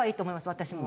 私も。